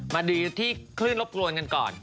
มาดูที่คลื่นรบกวนกันก่อน